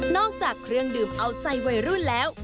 จากเครื่องดื่มเอาใจวัยรุ่นแล้ว